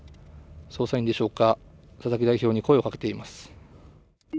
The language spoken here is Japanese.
捜査員でしょうか佐々木代表に声をかけています。